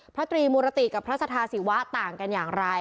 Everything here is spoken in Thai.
ตรีมุรติกับพระสธาศิวะต่างกันอย่างไร